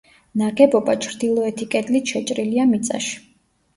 ნაგებობა ჩრდილოეთი კედლით შეჭრილია მიწაში.